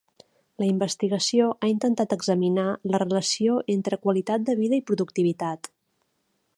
La investigació ha intentat examinar la relació entre qualitat de vida i productivitat.